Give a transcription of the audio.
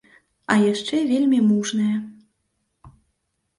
А яшчэ вельмі мужная.